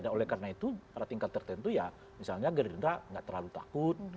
dan oleh karena itu para tingkat tertentu ya misalnya gerendera nggak terlalu takut